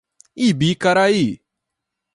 Ibicaraí